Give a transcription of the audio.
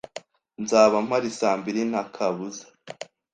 Nzaba mpari saa mbiri nta kabuza.